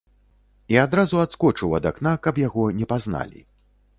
І адразу адскочыў ад акна, каб яго не пазналі.